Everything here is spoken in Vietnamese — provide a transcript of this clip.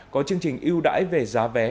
có chương trình ưu đãi về giá vé